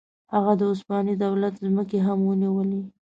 هغه د عثماني دولت ځمکې هم ونیولې.